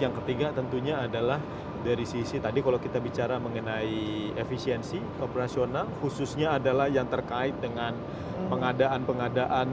yang ketiga tentunya adalah dari sisi tadi kalau kita bicara mengenai efisiensi operasional khususnya adalah yang terkait dengan pengadaan pengadaan